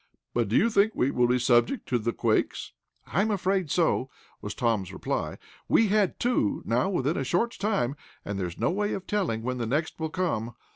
But do you think we will be subject to the quakes?" "I'm afraid so," was Tom's reply. "We've had two, now, within a short time, and there is no way of telling when the next will come.